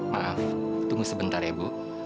maaf tunggu sebentar ya bu